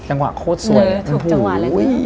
จังหวะขอยั้งสวย